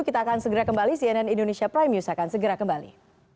kita akan segera kembali cnn indonesia prime news akan segera kembali